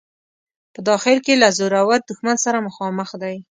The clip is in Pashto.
په داخل کې له زورور دښمن سره مخامخ دی.